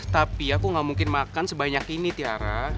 tapi aku gak mungkin makan sebanyak ini tiara